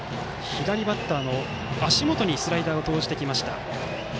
左バッターの足元にスライダーを投じてきました。